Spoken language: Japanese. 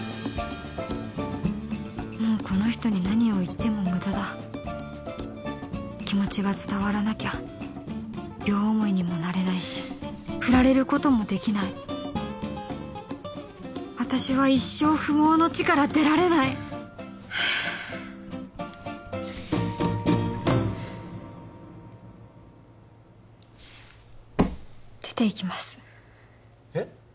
もうこの人に何を言っても無駄だ気持ちが伝わらなきゃ両思いにもなれないしフラれることもできない私は一生不毛の地から出られない出ていきますえっ？